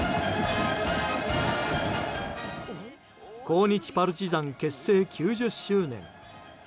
抗日パルチザン結成９０周年。